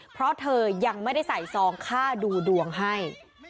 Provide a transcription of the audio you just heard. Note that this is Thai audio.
เพราะเธอยังไม่ได้ใส่ซองค่าดูดวงให้